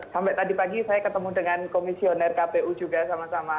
sampai tadi pagi saya ketemu dengan komisioner kpu juga sama sama